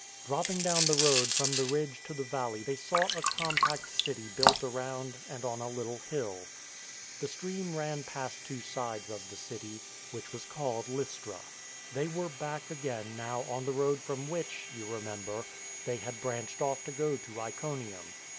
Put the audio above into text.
Dropping down the road from the ridge to the valley they saw a compact city built around and on a little hill. The stream ran past two sides of the city, 144. THE FORWARD TREAD which was called Lystra. They were back again now on the road from which — you remember — they had branched off to go to Iconium.